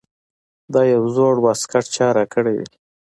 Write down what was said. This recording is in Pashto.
دا یو زوړ واسکټ چا راکړے دے ـ